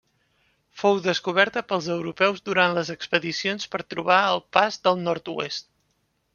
Fou descoberta pels europeus durant les expedicions per trobar el Pas del Nord-oest.